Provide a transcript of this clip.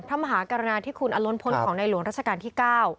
พระมหากรณาที่คุณอลลนพลของนายหลวงรัชกาลที่๙